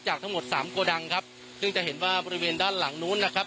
ทั้งหมดสามโกดังครับซึ่งจะเห็นว่าบริเวณด้านหลังนู้นนะครับ